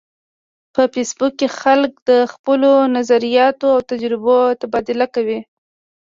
په فېسبوک کې خلک د خپلو نظریاتو او تجربو تبادله کوي